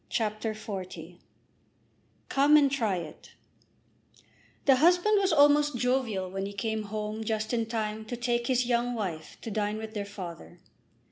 CHAPTER XL "Come and Try It" The husband was almost jovial when he came home just in time to take his young wife to dine with their father.